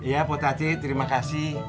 iya potati terima kasih